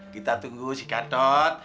kita tunggu si gadot